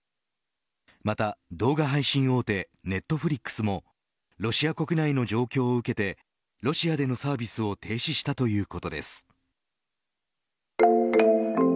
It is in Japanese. また、動画配信大手Ｎｅｔｆｌｉｘもロシア国内の状況を受けてロシアでのサービスを停止したということです。